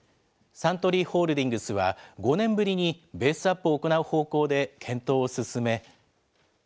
サントリーホールディングスは、５年ぶりにベースアップを行う方向で検討を進め。